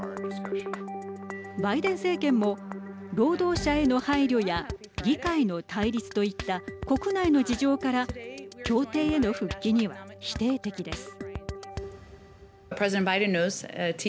バイデン政権も労働者への配慮や議会の対立といった国内の事情から協定への復帰には否定的です。